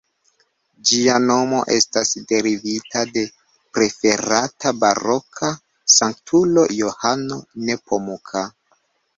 Ĝia nomo estas derivita de preferata baroka sanktulo Johano Nepomuka.